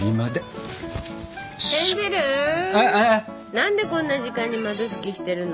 何でこんな時間に窓拭きしてるの？